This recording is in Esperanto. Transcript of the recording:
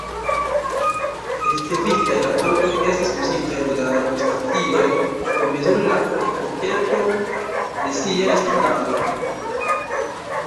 Ricevitaj raportoj estis uzitaj de la radiostacioj por mezuri la efikecon de siaj signaloj.